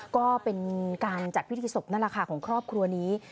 การจัดพิธีศพนั่นละค่ะของครอบครัวนี้